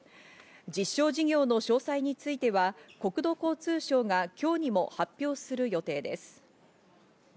実証事業の詳細については国土交通省が今日にも発表する予定です。